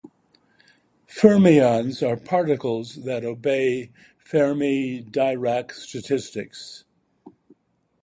Fermions are particles that obey Fermi-Dirac statistics.